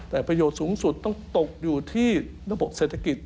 แต่ประโยชน์สูงสุดต้องตกอยู่ที่ระบบเศรษฐกิจ